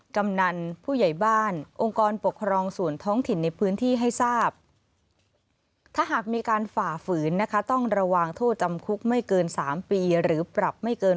กำนันผู้ใหญ่บ้านองค์กรปกครองส่วนท้องถิ่นในพื้นที่ให้ทราบถ้าหากมีการฝ่าฝืนนะคะต้องระวังโทษจำคุกไม่เกิน๓ปีหรือปรับไม่เกิน